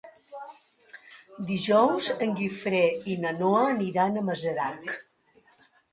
Dijous en Guifré i na Noa aniran a Masarac.